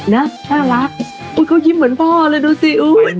เนี่ยนะน่ารักอุ้ยเขายิ้มเหมือนพ่อเลยดูสิอุ้ย